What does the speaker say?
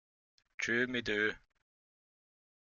Tschö mit Ö!